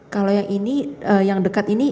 kalau yang ini yang dekat ini